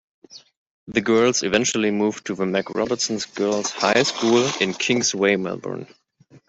The girls eventually moved to the Mac.Robertson Girls' High School on Kings Way, Melbourne.